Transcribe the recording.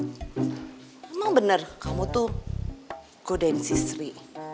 emang bener kamu tuh godain si sri